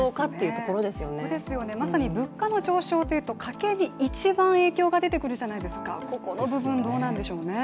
そこですよね、まさに物価の上昇というと家計に一番影響が出てくるじゃないですか。ここの部分どうなんでしょうね。